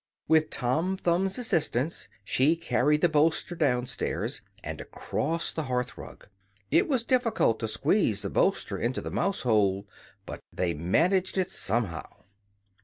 With Tom Thumbs's assistance she carried the bolster downstairs, and across the hearth rug. It was difficult to squeeze the bolster into the mouse hole; but they managed it somehow.